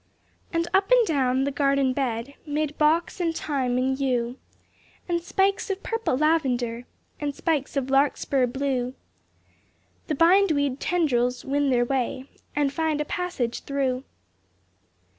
And up and down the garden bed, Mid box and thyme and yew, And spikes of purple lavender, And spikes of larkspur blue, The bind weed tendrils win their way, And find a passage through.